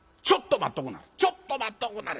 「ちょっと待っとくんなはれ。